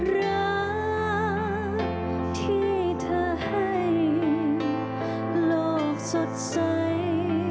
รักที่เธอให้โลกสดใส